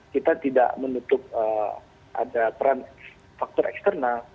kita tidak menutup ada peran faktor eksternal